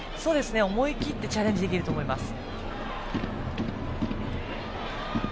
思い切ってチャレンジできると思います。